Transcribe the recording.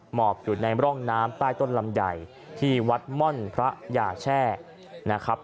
หมอบอยู่ในร่องน้ำใต้ต้นลำใหญ่ที่วัดม่อนพระยาแช่นะครับ